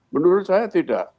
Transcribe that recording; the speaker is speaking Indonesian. menurut saya tidak